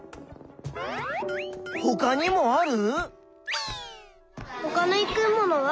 ほかにもある？